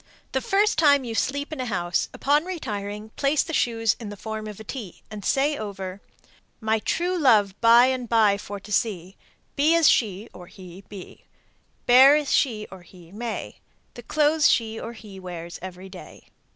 The first time you sleep in a house, upon retiring place the shoes in the form of a T, and say over, My true love by and by for to see, Be as she (or he) be, Bear as she (or he) may, The clothes she (or he) wears every day.